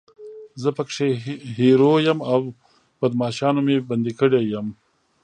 زه پکې هیرو یم او بدماشانو مې بندي کړی یم.